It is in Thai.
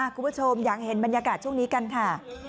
คุณผู้ชมอยากเห็นบรรยากาศช่วงนี้กันค่ะ